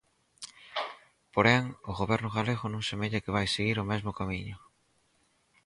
Porén, o Goberno galego non semella que vai seguir o mesmo camiño.